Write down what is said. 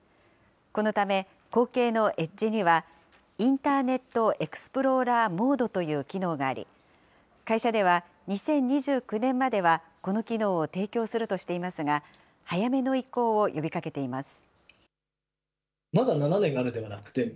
このため、後継のエッジには、インターネットエクスプローラーモードという機能があり、会社では２０２９年までは、この機能を提供するとしていますが、早めの移行を呼びかけています。